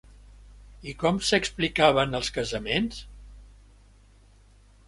I com s'explicaven els casaments?